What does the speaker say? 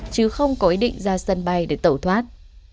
chứ không có ý định ra sân bay để tẩu thoát